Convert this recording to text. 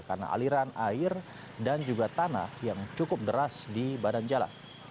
karena aliran air dan juga tanah yang cukup deras di badan jalan